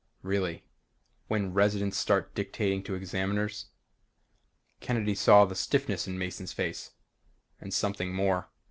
Really. When residents start dictating to Examiners Kennedy saw the stiffness in Mason's face. And something more.